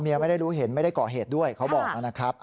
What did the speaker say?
ไม่ได้รู้เห็นไม่ได้ก่อเหตุด้วยเขาบอกนะครับ